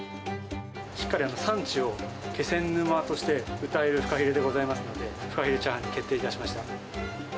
しっかり産地を気仙沼としてうたえるフカヒレでございますので、フカヒレチャーハンに決定いたしました。